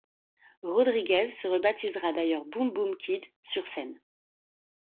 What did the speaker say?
Rodríguez se rebaptisera d'ailleurs Boom Boom Kid sur scène.